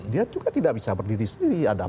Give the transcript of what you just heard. dia juga tidak bisa berdiri sendiri